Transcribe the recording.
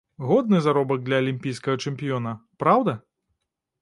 Годны заробак для алімпійскага чэмпіёна, праўда?